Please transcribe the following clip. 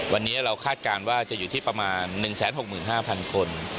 วันนี้เราคาดการณ์ว่าจะอยู่ที่ประมาณ๑๖๕๐๐คน